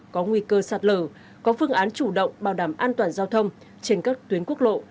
có nguy cơ sạt lở có phương án chủ động bảo đảm an toàn giao thông trên các tuyến quốc lộ